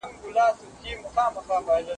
تاسي تل د خپلو مشرانو او والدینو پوره درناوی کوئ.